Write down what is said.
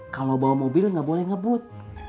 kalau bawa mobil nggak boleh ngebut